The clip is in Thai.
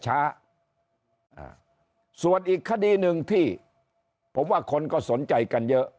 ช้าอ่าส่วนอีกคดีหนึ่งที่ผมว่าคนก็สนใจกันเยอะ